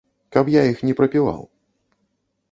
Каб я іх не прапіваў.